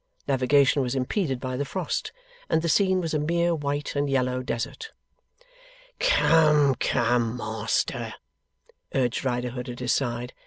Navigation was impeded by the frost, and the scene was a mere white and yellow desert. 'Come, come, Master,' urged Riderhood, at his side.